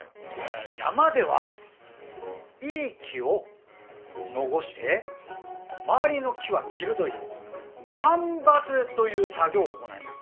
山ではいい木を残して周りの木は切るどいう間伐どいう作業を行います。